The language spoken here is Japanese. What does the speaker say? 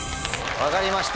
分かりました。